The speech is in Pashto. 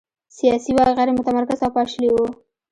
سیاسي واک غیر متمرکز او پاشلی و.